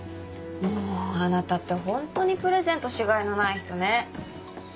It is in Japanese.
もうあなたってホントにプレゼントしがいのない人ね。